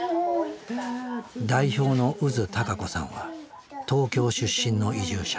代表の宇津孝子さんは東京出身の移住者。